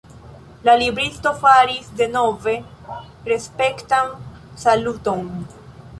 La libristo faris denove respektan saluton.